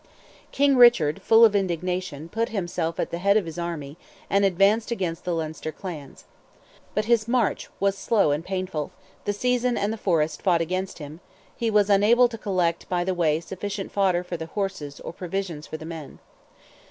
King Richard, full of indignation, put himself at the head of his army and advanced against the Leinster clans. But his march was slow and painful: the season and the forest fought against him; he was unable to collect by the way sufficient fodder for the horses or provisions for the men.